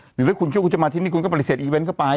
หรือถ้าคุณคิดว่าคุณจะมาที่นี่คุณก็ปฏิเสธอีเวนต์เข้าไป